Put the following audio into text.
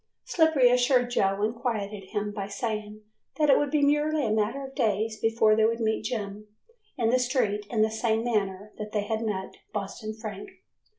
Slippery assured Joe and quieted him by saying that it would be merely a matter of days before they would meet Jim in the street in the same manner that they had met Boston Frank.